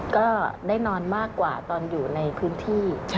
ก็ได้นอนมากกว่าตอนอยู่ในพื้นที่